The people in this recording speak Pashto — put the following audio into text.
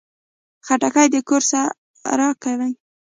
خټکی د کور سړه کوي.